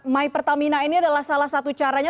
my pertamina ini adalah salah satu caranya